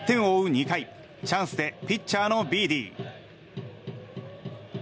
２回チャンスでピッチャーのビーディ。